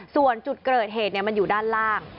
ส่วนจุดเกิดเหตุมันอยู่ด้านล่าง